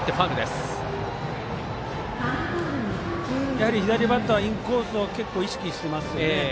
やはり左バッターはインコースを結構意識してますよね。